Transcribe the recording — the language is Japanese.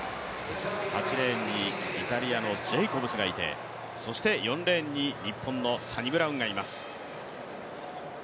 ８レーンにイタリアのジェイコブスがいて４レーンに日本のサニブラウンがいます。